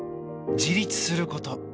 自立すること。